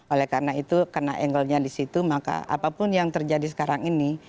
oleh karena itu karena angle nya di situ maka apapun yang terjadi sekarang ini